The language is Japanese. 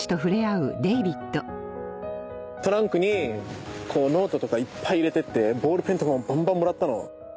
トランクにノートとかいっぱい入れてってボールペンとかバンバンもらったの。